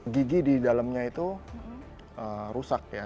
gigi di dalamnya itu rusak ya